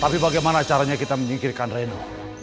tapi bagaimana caranya kita menyingkirkan reno